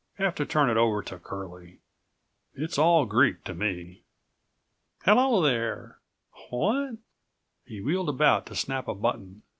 Have to turn it over to Curlie. It's all Greek to me." "Hello, there! What—" He wheeled about to snap a button.